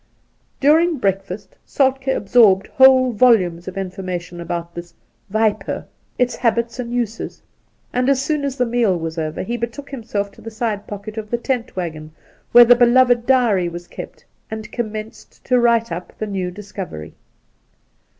During breakfast Soltkd absorbed whole volumes of infor mation about this ' wiper '— its habits and uses ; and as soon as the meal was over he betook him self to the side pocket of the tent waggon, where the beloved diary was kept, and commenced to write up the new discovery.